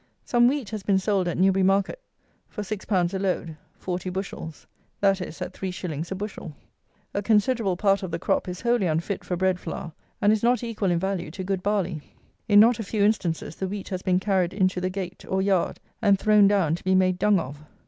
Some wheat has been sold at Newbury market for 6_l._ a load (40 bushels); that is, at 3_s._ a bushel. A considerable part of the crop is wholly unfit for bread flour, and is not equal in value to good barley. In not a few instances the wheat has been carried into the gate, or yard, and thrown down to be made dung of.